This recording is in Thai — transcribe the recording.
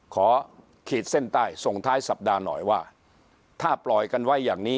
ขีดเส้นใต้ส่งท้ายสัปดาห์หน่อยว่าถ้าปล่อยกันไว้อย่างนี้